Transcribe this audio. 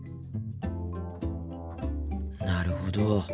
なるほど。